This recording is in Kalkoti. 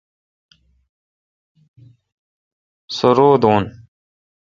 سو رو دوں۔